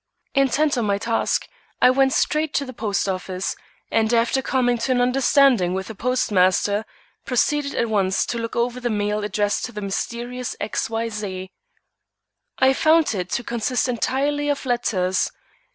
Intent on my task, I went straight to the post office, and after coming to an understanding with the postmaster, proceeded at once to look over the mail addressed to the mysterious X. Y. Z. I found it to consist entirely of letters.